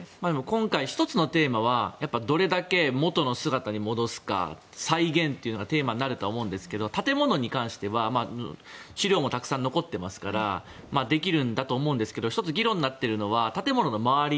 今回、１つのテーマはどれだけ元の姿に戻すか再現というのがテーマになるとは思いますが建物に関しては資料もたくさん残っていますからできるんだと思うんですが１つ議論になっているのは建物の周り